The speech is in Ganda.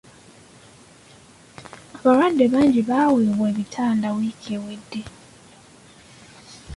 Abalwadde bangi baaweebwa ebitanda wiiki ewedde.